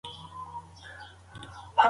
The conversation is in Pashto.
د مور لارښوونه ماشوم مسوول ګرځوي.